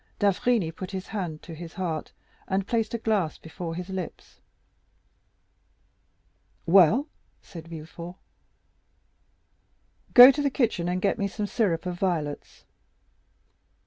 D'Avrigny put his hand to his heart, and placed a glass before his lips. "Well?" said Villefort. "Go to the kitchen and get me some syrup of violets."